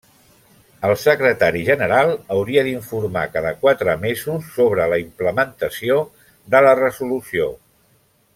El Secretari General hauria d'informar cada quatre mesos sobre la implementació de la resolució.